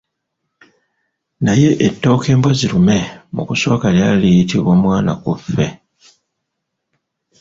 Naye ettooke mbwazirume mu kusooka lyali liyitibwa mwanaakufe.